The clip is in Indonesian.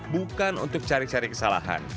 bukan untuk cari cari kesalahan